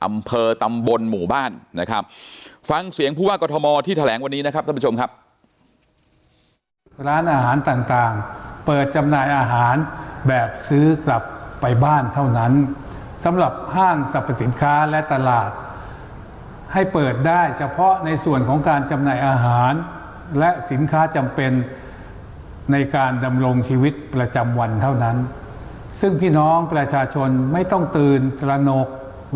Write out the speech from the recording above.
อำเภอตำบลหมู่บ้านนะครับฟังเสียงผู้ว่ากรทมที่แถลงวันนี้นะครับท่านผู้ชมครับ